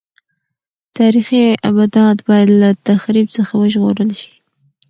تاریخي ابدات باید له تخریب څخه وژغورل شي.